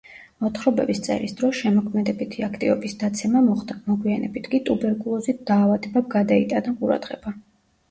მოთხრობების წერის დროს შემოქმედებითი აქტივობის დაცემა მოხდა, მოგვიანებით კი ტუბერკულოზით დაავადებამ გადაიტანა ყურადღება.